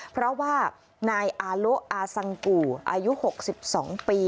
เพราะว่านายอาโลอาซังกู่อายุ๖๒ปี